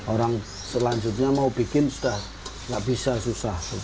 orang selanjutnya mau bikin sudah nggak bisa susah